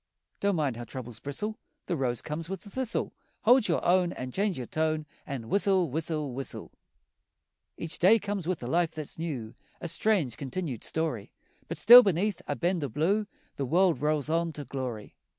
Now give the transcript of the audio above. Don't mind how troubles bristle, The rose comes with the thistle. Hold your own An' change your tone An' whistle, whistle, whistle! Each day comes with a life that's new, A strange, continued story But still beneath a bend o' blue The world rolls on to glory.